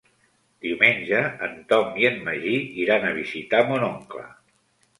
Diumenge en Tom i en Magí iran a visitar mon oncle.